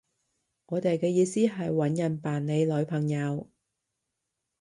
我哋嘅意思係搵人扮你女朋友